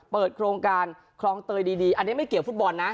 โครงการคลองเตยดีอันนี้ไม่เกี่ยวฟุตบอลนะ